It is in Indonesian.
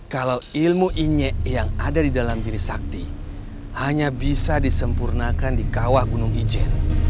kalau ilmu inyek yang ada di dalam diri sakti hanya bisa disempurnakan di kawah gunung ijen